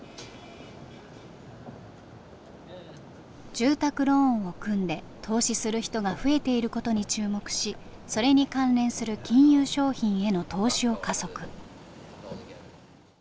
住宅ローンを組んで投資する人が増えていることに注目しそれに関連する金融商品への投資を加速。